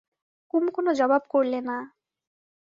কুমু কোনো জবাব করলে না।